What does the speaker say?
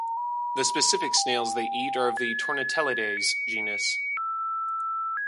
The specific snails they eat are of the "Tornatellides" genus.